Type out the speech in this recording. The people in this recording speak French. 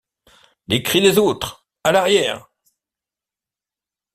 Les cris des autres, à l’arrière.